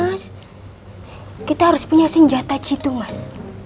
mas kita harus punya senjata situ mas